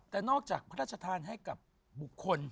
แต่นอกจากพระราชทานให้กับบุคคล